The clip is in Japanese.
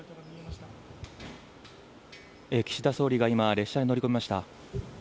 岸田総理が今、列車に乗り込みました。